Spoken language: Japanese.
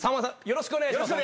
よろしくお願いします。